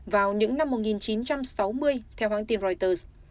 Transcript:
vào những năm một nghìn chín trăm sáu mươi theo hãng tin reuters